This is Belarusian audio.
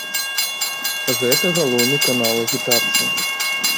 Гэта галоўны канал агітацыі.